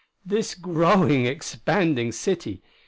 This growing, expanding city!